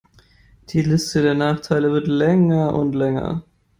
Die Liste der Nachteile wird länger und länger.